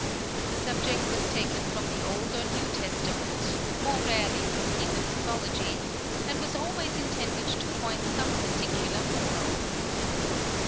The subject was taken from the Old or New Testament, more rarely from heathen mythology, and was always intended to point some particular moral.